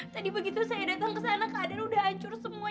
tadi begitu saya datang kesana keadaan udah hancur semua